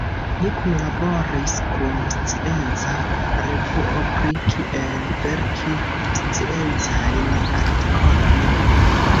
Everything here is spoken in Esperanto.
Ni kunlaboris kun scienca revuo pri kiel verki sciencajn artikolojn.